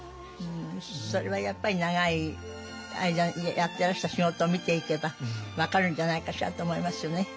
それはやっぱり長い間やってらした仕事を見ていけば分かるんじゃないかしらと思いますよね。